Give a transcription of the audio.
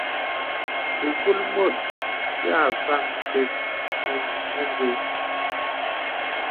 Ìkul mùt yā fàŋ bēs à nyə̀.